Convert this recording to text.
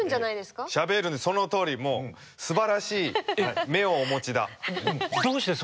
そのとおりもうすばらしい目をお持ちだ。